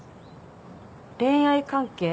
恋愛関係？